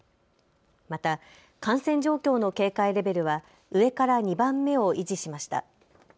また感染状況の警戒レベルは上から２番目を維持しました。